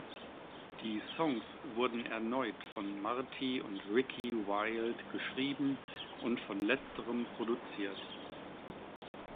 Die Songs wurden erneut von Marty und Ricky Wilde geschrieben und von letzterem produziert.